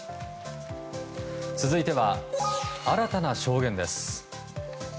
続いては新たな証言です。